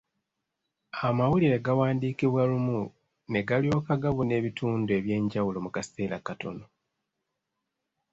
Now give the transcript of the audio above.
Amawulire gawandiikibwa lumu ne galyoka gabuna ebitundu eby'enjawulo mu kaseera katono.